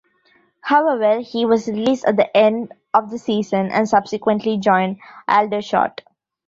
However, he was released at the end of the season and subsequently joined Aldershot.